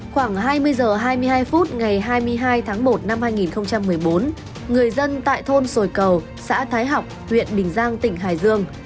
khoảng hai mươi h hai mươi hai phút ngày hai mươi hai tháng một năm hai nghìn một mươi bốn người dân tại thôn sồi cầu xã thái học huyện bình giang tỉnh hải dương